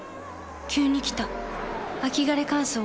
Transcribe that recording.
急に来た秋枯れ乾燥。